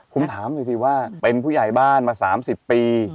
ผมถามหน่อยสิว่าเป็นผู้ใหญ่บ้านมา๓๐ปี